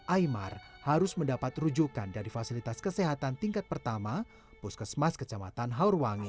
aymar harus mendapat rujukan dari fasilitas kesehatan tingkat pertama puskesmas kecamatan haurwangi